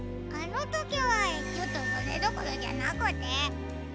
あのときはちょっとそれどころじゃなくて。